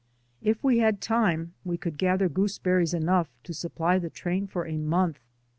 If we had time, we could gather gooseberries enough to supply the train for a month.